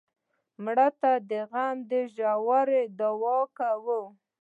مړه ته د غم ژوره دعا کوو